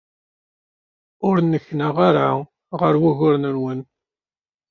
Ur nneknaɣ ara ɣer wuguren-nwen.